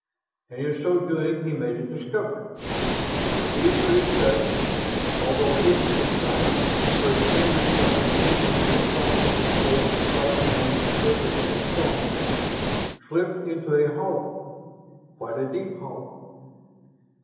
And in so doing he made a discovery, revealed to his touch although hidden from sight. For his fingers, running aimlessly across the cold, slightly uneven surface of the stone, slipped into a hollow, quite a deep hollow.